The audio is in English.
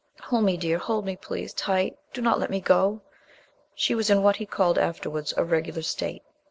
"Hold me, dear, hold me, please ... tight. Do not let me go." She was in what he called afterwards "a regular state."